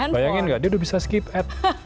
bayangin gak dia udah bisa skip ad